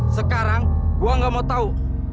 sekarang gua nggak mau tahu